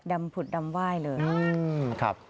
ดำผุดดำไหว้เลยนะครับ